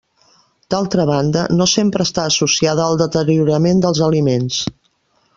D'altra banda, no sempre està associada al deteriorament dels aliments.